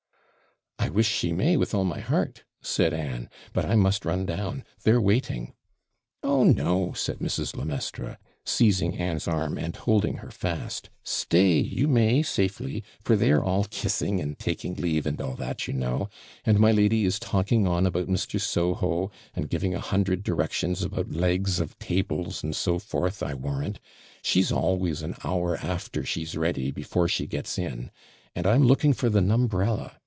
'I wish she may, with all my heart' said Anne; 'but I must run down they're waiting.' 'Oh no,' said Mrs. le Maistre, seizing Anne's arm, and holding her fast; 'stay you may safely for they're all kissing and taking leave, and all that, you know; and my lady is talking on about Mr. Soho, and giving a hundred directions about legs of TABLES, and so forth, I warrant she's always an hour after she's ready before she gets in and I'm looking for the NUMBRELLA.